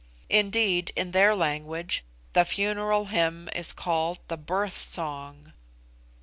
Indeed, in their language, the funeral hymn is called the 'Birth Song.